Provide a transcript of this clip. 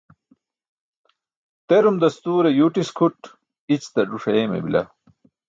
Terum dastuure yuwṭis kʰuṭ, i̇ćiṭar żuṣ ayeemay bila.